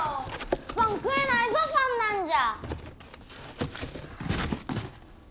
パン食えないぞそんなんじゃ。